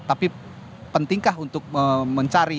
tapi pentingkah untuk mencari